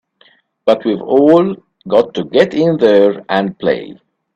But we've all got to get in there and play!